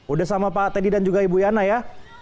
udah sama pak teddy dan juga ibu yana ya